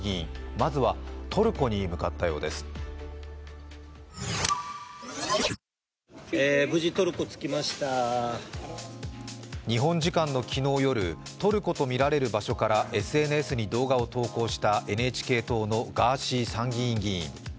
まずは、トルコに向かったようです日本時間の昨日夜、トルコとみられる場所からＳＮＳに動画を投稿したＮＨＫ党のガーシー参議院議員。